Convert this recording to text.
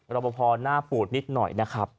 ลบพอร์น่าปูดนิดหน่อยนะครับ